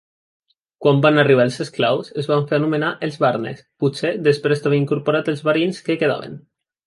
Quan van arribar els eslaus, es van fer anomenar "els varnes", potser després d'haver incorporat els varins que quedaven.